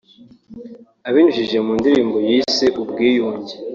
Abinyujije mu ndirimbo yise ‘Ubwiyunge’ (http